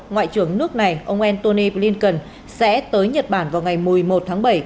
ngoại trưởng nước này ông antony blinken sẽ tới nhật bản vào ngày một mươi một tháng bảy